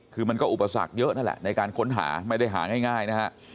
คือมันก็อุปสรรคเยอะนั่นแหละในการค้นหาไม่ได้หาง่ายนะฮะ